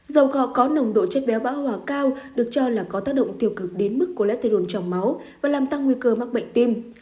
dầu cọ có nồng độ chất béo bão hỏa cao được cho là có tác động tiêu cực đến mức cô lét tê đồn trong máu và làm tăng nguy cơ mắc bệnh tim